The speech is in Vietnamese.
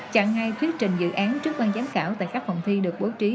chặng hai thuyết trình dự án trước ban giám khảo tại khắp vòng thi được bố trí